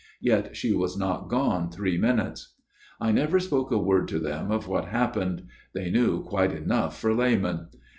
Yet she was not gone three minutes. " I never spoke a word to them of what hap pened they knew quite enough for laymen.